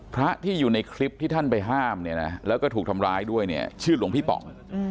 พระที่อยู่ในคลิปที่ท่านไปห้ามเนี่ยนะแล้วก็ถูกทำร้ายด้วยเนี่ยชื่อหลวงพี่ป๋อง